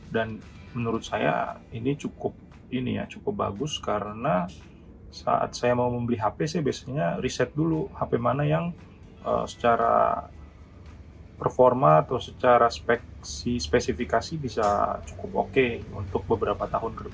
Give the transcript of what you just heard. dan menurut saya ini cukup ini ya cukup bagus karena saat saya mau membeli hp saya biasanya riset dulu hp mana yang secara performa atau secara spesifikasi bisa cukup oke untuk beberapa tahun ke depan